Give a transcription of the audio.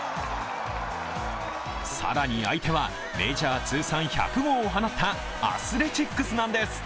更に相手はメジャー通算１００号を放ったアスレチックスなんです。